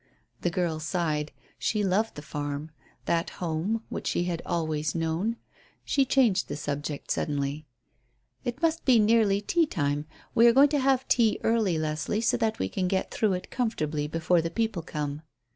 The girl sighed. She loved the farm; that home which she had always known. She changed the subject suddenly. "It must be nearly tea time. We are going to have tea early, Leslie, so that we can get through with it comfortably before the people come."